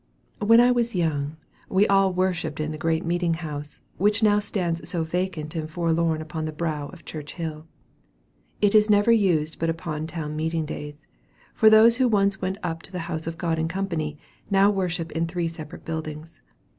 When I was young, we all worshipped in the great meeting house, which now stands so vacant and forlorn upon the brow of Church Hill. It is never used but upon town meeting days for those who once went up to the house of God in company, now worship in three separate buildings.